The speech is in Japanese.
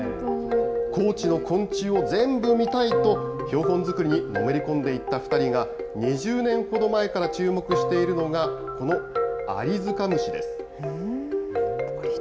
高知の昆虫を全部見たいと、標本作りにのめり込んでいった２人が、２０年ほど前から注目しているのが、このアリヅカムシです。